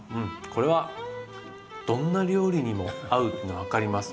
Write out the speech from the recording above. これはどんな料理にも合うっていうの分かります。